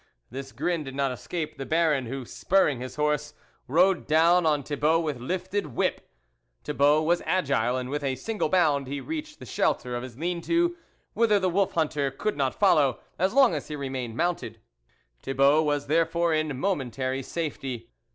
This grin did not escape the Baron, who, spurring his horse, rode down on Thibault with lifted whip. Thibault was agile, and with a single bound he reached the shelter of his lean to, whither the wolf hunter could not fol low, as long as he remained mounted ; Thibault was therefore in momentary safety.